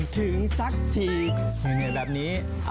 ถึงสักทีเหนื่อยแบบนี้